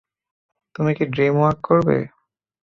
তুমি কি ড্রিমওয়াক করবে?